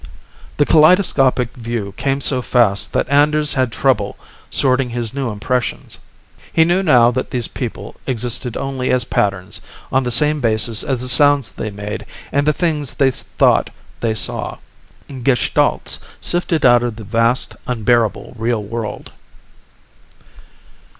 The kaleidoscopic view came so fast that Anders had trouble sorting his new impressions. He knew now that these people existed only as patterns, on the same basis as the sounds they made and the things they thought they saw. Gestalts, sifted out of the vast, unbearable real world.